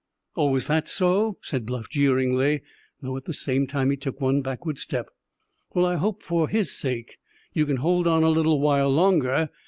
"Oh, is that so?" said Bluff jeeringly, though at the same time he took one backward step. "Well, I hope for his sake you can hold on a little while longer.